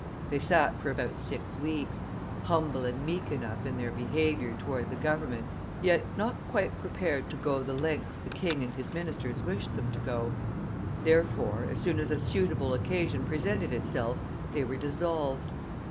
They sat for about six weeks, humble and meek enough in their behavior toward the Government, yet not quite prepared to go the lengths the King and his ministers wished them to go. Therefore, as soon as a suitable occasion presented itself, they were dissolved.